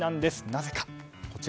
なぜか。